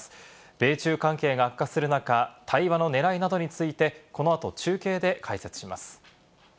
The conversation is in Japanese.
米中関係が悪化する中、対話の狙いなどについて、この後、中継で解説します。